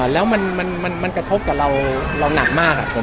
แล้วมันกระทบกับเราหนักมากครับผม